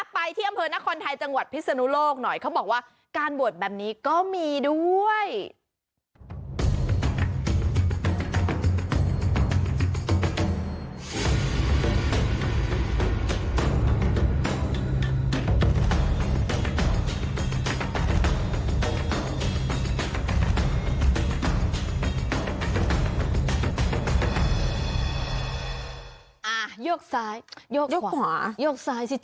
ไปที่อำเภอนครไทยจังหวัดพิศนุโลกหน่อยเขาบอกว่าการบวชแบบนี้ก็มีด้วย